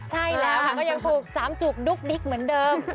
ใช่แล้วค่ะก็ยังถูกสามจุกดุ๊กดิ๊กเหมือนเดิม